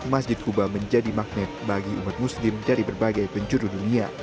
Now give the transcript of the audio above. masjid kuba menjadi magnet bagi umat muslim dari berbagai penjuru dunia